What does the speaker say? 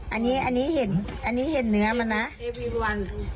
อันนี้เห็นเนื้อมันนะ